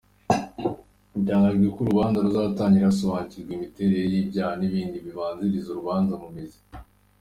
Biteganyijwe ko urubanza ruzatangira hasobanurwa imiterere y’ibyaha n’ibindi bibanziriza urubanza mu mizi.